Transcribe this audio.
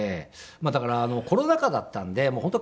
だからコロナ禍だったんで本当